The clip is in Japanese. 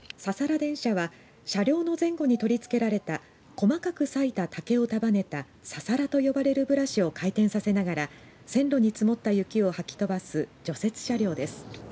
電車は車両の前後に取り付けられた細かく割いた竹をササラと呼ばれるブラシを回転させながら線路に積もった雪を掃き飛ばす除雪車両です。